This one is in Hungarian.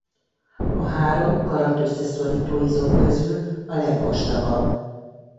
A három garat-összeszorító izom közül a legvastagabb.